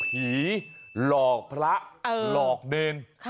ผีหลอกพระหลอกเนร